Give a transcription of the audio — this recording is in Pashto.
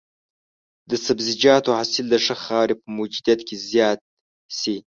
د سبزیجاتو حاصل د ښه خاورې په موجودیت کې زیات شي.